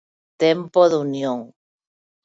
Tempo de Unión.